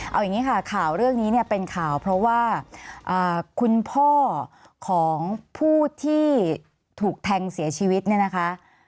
เอาอย่างนี้ค่ะข่าวเรื่องนี้เนี่ยเป็นข่าวเพราะว่าคุณพ่อของผู้ที่ถูกแทงเสียชีวิตเนี่ยนะคะ